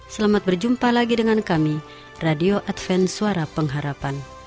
selamat berjumpa lagi dengan kami radio advent suara pengharapan